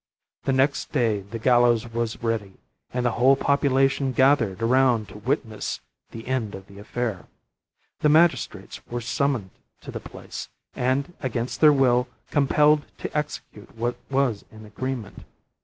The next day the gallows was ready, and the whole population gathered around it to witness the end of the affair. The magistrates were summoned to the place, and, against their will, compelled to execute what was in the agreement.